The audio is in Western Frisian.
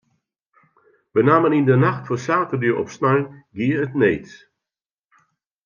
Benammen yn de nacht fan saterdei op snein gie it need.